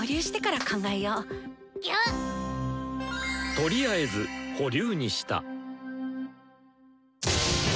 とりあえず保留にした。